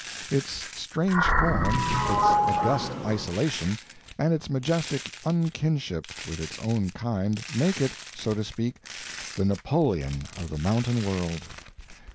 Its strange form, its august isolation, and its majestic unkinship with its own kind, make it so to speak the Napoleon of the mountain world.